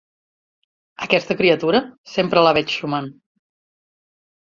Aquesta criatura, sempre la veig xumant.